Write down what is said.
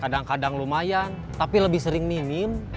kadang kadang lumayan tapi lebih sering minim